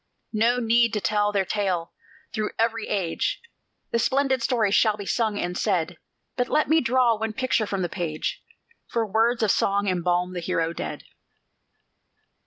No need to tell their tale: through every age The splendid story shall be sung and said; But let me draw one picture from the page For words of song embalm the hero dead.